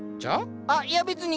あっいや別に。